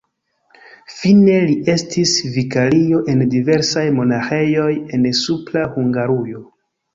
Fine li estis vikario en diversaj monaĥejoj en Supra Hungarujo.